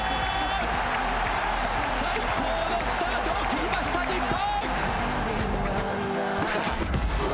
最高のスタートを切りました、日本！